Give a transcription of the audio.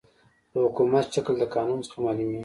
د حکومت شکل د قانون څخه معلوميږي.